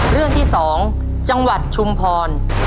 เรื่องที่๒จังหวัดชุมพร